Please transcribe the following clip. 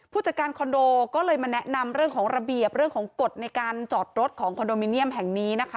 ผู้จัดการคอนโดก็เลยมาแนะนำเรื่องของระเบียบเรื่องของกฎในการจอดรถของคอนโดมิเนียมแห่งนี้นะคะ